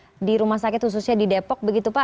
atau di rumah sakit khususnya di depok begitu pak